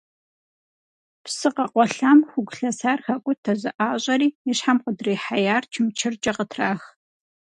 Псы къэкъуалъэм хугу лъэсар хакIутэ, зэIащIэри и щхьэм къыдрихьеяр чымчыркIэ къытрах.